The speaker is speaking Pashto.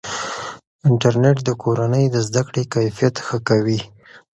انټرنیټ د کورنۍ د زده کړې کیفیت ښه کوي.